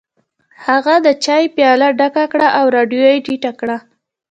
هغه د چای پیاله ډکه کړه او رادیو یې ټیټه کړه